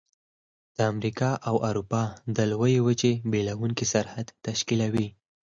د امریکا او اروپا د لویې وچې بیلونکی سرحد تشکیلوي.